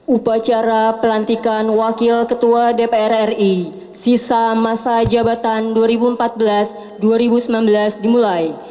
upacara pelantikan wakil ketua dpr ri sisa masa jabatan dua ribu empat belas dua ribu sembilan belas dimulai